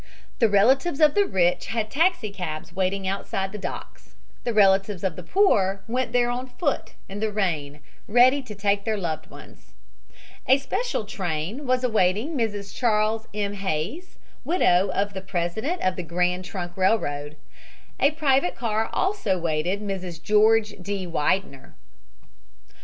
The relatives of the rich had taxicabs waiting outside the docks. The relatives of the poor went there on foot in the rain, ready to take their loved ones. A special train was awaiting Mrs. Charles M. Hays, widow of the president of the Grand Trunk Railroad. A private car also waited Mrs. George D. Widener.